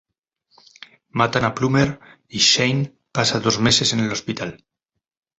Matan a Plummer y Shane pasa dos meses en el hospital.